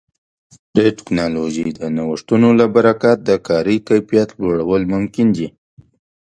د ټکنالوژۍ د نوښتونو له برکت د کاري کیفیت لوړول ممکن دي.